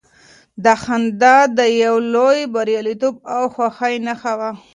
دا خندا د يو لوی برياليتوب او خوښۍ نښه وه.